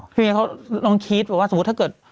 พี่แม่เขาลองคิดว่าสมมุติถ้าเกิด